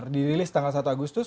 dirilis tanggal satu agustus